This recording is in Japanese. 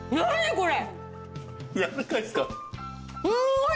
これ。